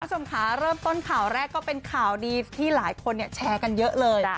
คุณผู้ชมค่ะเริ่มต้นข่าวแรกก็เป็นข่าวดีที่หลายคนแชร์กันเยอะเลย